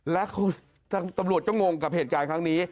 และตำรวจก็งงกับเหตุการณ์ครั้งนี้